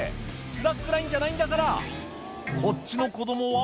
スラックラインじゃないんだからこっちの子供は？